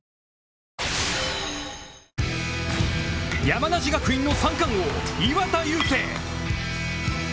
山梨学院の三冠王、岩田悠聖。